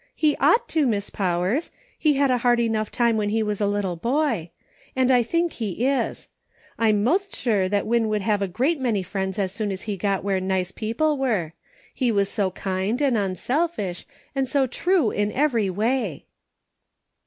He ought to, Miss Powers ; he had a hard enough time when he was a little boy. And I think he is. I'm most sure Win would" have a great many friends as soon as he got where nice people were ; he was so kind and unselfish, and so true in every way."